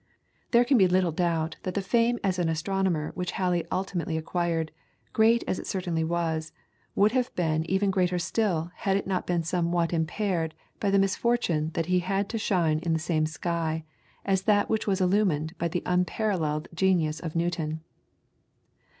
There can be little doubt that the fame as an astronomer which Halley ultimately acquired, great as it certainly was, would have been even greater still had it not been somewhat impaired by the misfortune that he had to shine in the same sky as that which was illumined by the unparalleled genius of Newton.